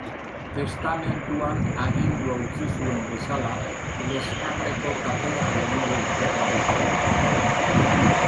Testamentuan agindua utzi zuen bezala, Leskarreko katedralean lurperatu zuten.